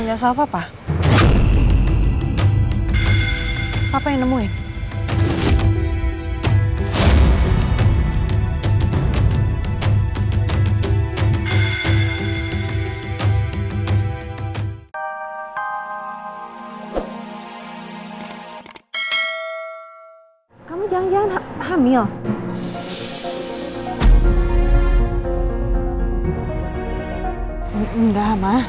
coba kamu cek dulu deh